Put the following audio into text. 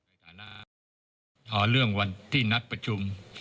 ภาษาหน้าต่อเรื่องวันที่นัดประชุม